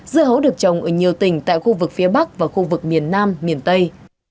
dưa hấu được trồng ở nhiều tỉnh tại khu vực phía bắc và khu vực miền nam miền tây